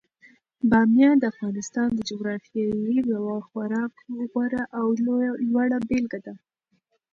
بامیان د افغانستان د جغرافیې یوه خورا غوره او لوړه بېلګه ده.